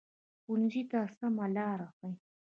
ښوونځی د سمه لار ښيي